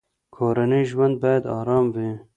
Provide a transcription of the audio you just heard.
کورنی ژوند باید ارام وي.